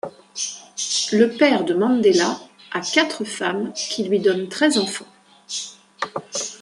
Le père de Mandela a quatre femmes qui lui donnent treize enfants.